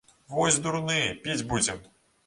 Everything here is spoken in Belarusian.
Вось дурны, піць будзем.